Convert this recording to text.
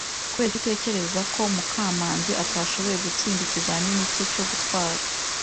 Kuberiki utekereza ko Mukamanzi atashoboye gutsinda ikizamini cye cyo gutwara?